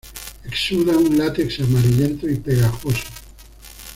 Exuda un látex amarillento y pegajoso.